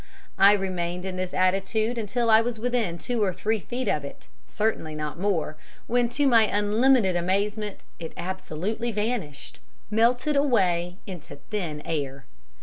It remained in this attitude until I was within two or three feet of it certainly not more when, to my unlimited amazement, it absolutely vanished melted away into thin air.